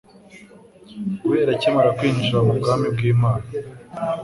guhera akimara kwinjira mu bwami bw'Imana.